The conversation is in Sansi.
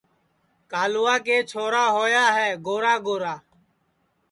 کالوا کے چھورا ہوا ہے گورا گورا